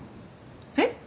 えっ？